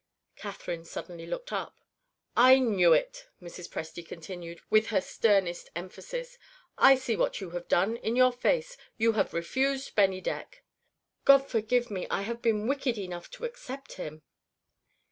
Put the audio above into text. Catherine suddenly looked up. "I knew it," Mrs. Presty continued, with her sternest emphasis; "I see what you have done, in your face. You have refused Bennydeck." "God forgive me, I have been wicked enough to accept him!"